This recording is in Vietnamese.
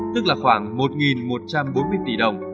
tức là khoảng một một trăm bốn mươi tỷ đồng